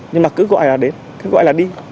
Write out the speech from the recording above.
nhưng mà cứ gọi là đến cứ gọi là đi